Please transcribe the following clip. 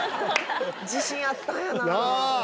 自信あったんやな